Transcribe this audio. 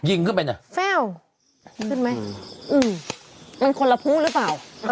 ยิงขึ้นไปน่ะแฟ้วขึ้นไหมอืมมันคนละผู้หรือเปล่า